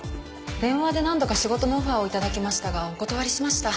電話で何度か仕事のオファーを頂きましたがお断りしました。